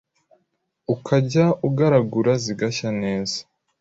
ukajya ugaragura zigashya neza